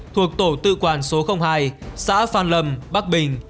thuộc tổ tự quản số hai xã phan lâm bắc bình